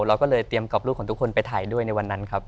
เราก็เลยเตรียมกรอบรูปของทุกคนไปถ่ายด้วยในวันนั้นครับ